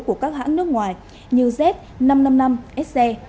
của các hãng nước ngoài như z năm trăm năm mươi năm se